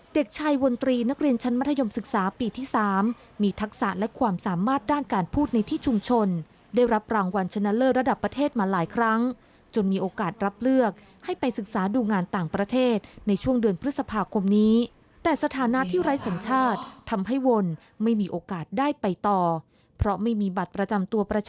เด็กชายวนตรีนักเรียนชั้นมัธยมศึกษาปีที่๓มีทักษะและความสามารถด้านการพูดในที่ชุมชนได้รับรางวัลชนะเลิศระดับประเทศมาหลายครั้งจนมีโอกาสรับเลือกให้ไปศึกษาดูงานต่างประเทศในช่วงเดือนพฤษภาคมนี้แต่สถานะที่ไร้สัญชาติทำให้วนไม่มีโอกาสได้ไปต่อเพราะไม่มีบัตรประจำตัวประช